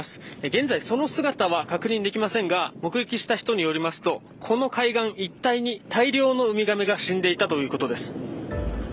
現在その姿は確認できませんが目撃した人によりますとこの海岸一帯に大量のウミガメが死んでいたということです。